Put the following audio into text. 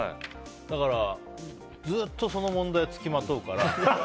だから、ずっとその問題はつきまとうから。